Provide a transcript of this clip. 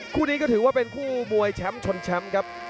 คู่นี้ก็ถือว่าเป็นคู่มวยแชมป์ชนแชมป์ครับ